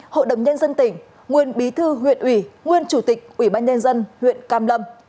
hội đồng nhân dân tỉnh nguyên bí thư huyện ủy nguyên chủ tịch ủy ban nhân dân huyện cam lâm